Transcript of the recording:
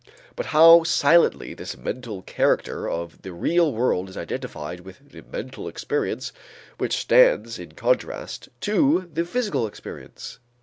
But now silently this mental character of the real world is identified with the mental experience which stands in contrast to the physical experience.